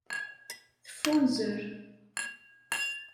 Teffunzer.